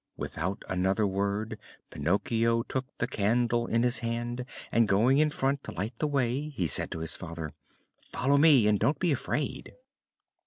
Without another word Pinocchio took the candle in his hand, and, going in front to light the way, he said to his father: "Follow me, and don't be afraid."